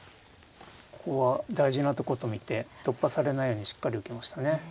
ここは大事なとこと見て突破されないようにしっかり受けましたね。